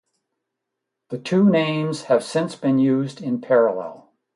The two names have since been used in parallel.